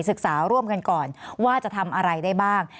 ศึกษาร่วมกันก่อนว่าจะทำอะไรได้บ้าง